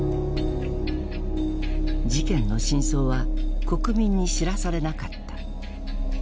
事件の真相は国民に知らされなかった。